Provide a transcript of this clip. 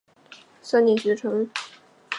三年学成。